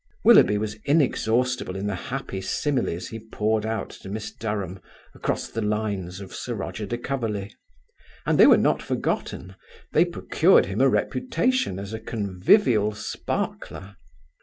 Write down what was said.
Willoughby was inexhaustible in the happy similes he poured out to Miss Durham across the lines of Sir Roger de Coverley, and they were not forgotten, they procured him a reputation as a convivial sparkler.